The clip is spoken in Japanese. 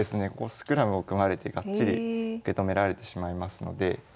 スクラムを組まれてがっちり受け止められてしまいますので。